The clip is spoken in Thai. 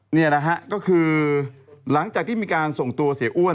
นี่นะฮะก็คือหลังจากที่มีการส่งตัวเสียอ้วน